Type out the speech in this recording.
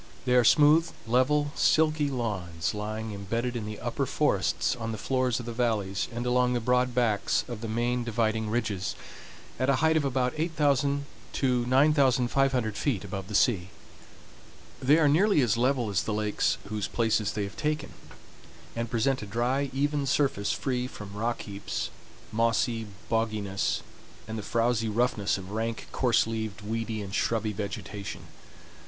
They are smooth, level, silky lawns, lying embedded in the upper forests, on the floors of the valleys, and along the broad backs of the main dividing ridges, at a height of about 8000 to 9500 feet above the sea. They are nearly as level as the lakes whose places they have taken, and present a dry, even surface free from rock heaps, mossy bogginess, and the frowsy roughness of rank, coarse leaved, weedy, and shrubby vegetation.